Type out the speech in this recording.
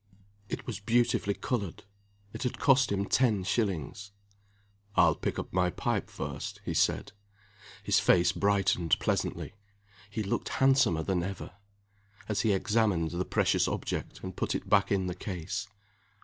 It was beautifully colored it had cost him ten shillings. "I'll pick up my pipe first," he said. His face brightened pleasantly he looked handsomer than ever as he examined the precious object, and put it back in the case.